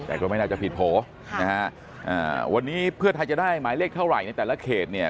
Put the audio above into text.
แต่ก็ไม่น่าจะผิดโผล่นะฮะวันนี้เพื่อไทยจะได้หมายเลขเท่าไหร่ในแต่ละเขตเนี่ย